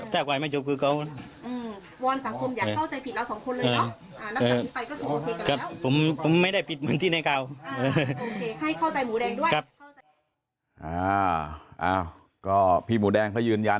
ถ้าไหวไม่จบคือเขา